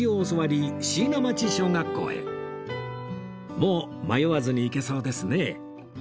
もう迷わずに行けそうですね